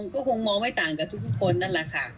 ก็คงมองไม่ต่างกับทุกคนนั่นแหละค่ะ